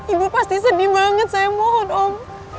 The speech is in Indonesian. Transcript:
ibu pasti sedih banget saya mohon om